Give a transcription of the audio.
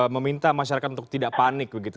meminta masyarakat untuk tidak panik begitu